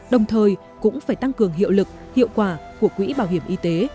đồng thời cũng phải tăng cường hiệu lực hiệu quả của quỹ bảo hiểm y tế